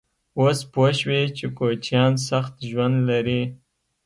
_اوس پوه شوې چې کوچيان سخت ژوند لري؟